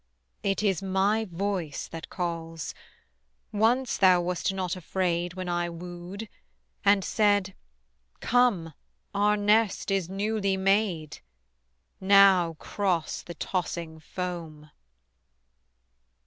It is my voice that calls: Once thou wast not afraid When I wooed, and said, "Come, our nest is newly made," Now cross the tossing foam.